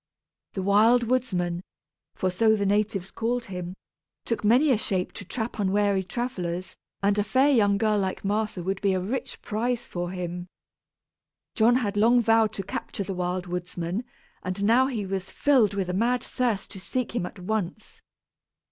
The Wild Woodsman, for so the natives called him, took many a shape to trap unwary travellers, and a fair young girl like Martha would be a rich prize for him. John had long vowed to capture the Wild Woodsman; and now he was filled with a mad thirst to seek him at once.